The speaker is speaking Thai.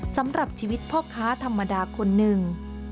สำหรับชีวิตพ่อค้าธรรมดาคนหนึ่ง